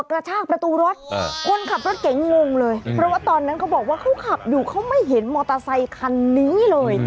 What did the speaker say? เพราะว่าตอนนั้นเขาบอกว่าเขาขับอยู่เขาไม่เห็นมอเตอร์ไซคันนี้เลย